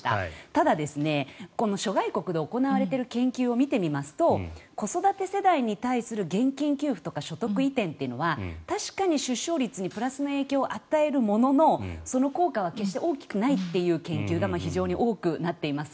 ただ、諸外国で行われている研究を見てみますと子育て世代に対する現金給付とか所得移転というのは確かに出生率にプラスの影響を与えるもののその効果は決して大きくないという研究が非常に多くなっています。